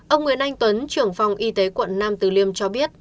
ông nguyễn anh tuấn trưởng phòng y tế quận nam từ liêm cho biết